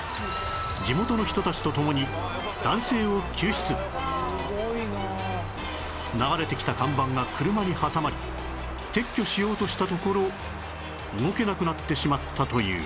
地元の人たちと共に流れてきた看板が車に挟まり撤去しようとしたところ動けなくなってしまったという